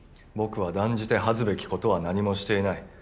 僕は断じて恥ずべきことは何もしていない。